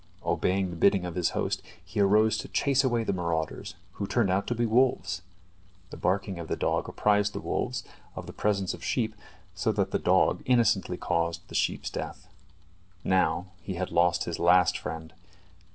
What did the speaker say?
Obeying the bidding of his host, he arose to chase away the marauders, who turned out to be wolves. The barking of the dog apprised the wolves of the presence of sheep, so that the dog innocently caused the sheep's death. Now he had lost his last friend.